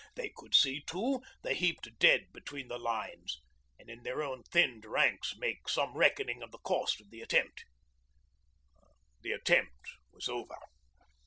They could see, too, the heaped dead between the lines, and in their own thinned ranks make some reckoning of the cost of their attempt. The attempt was over.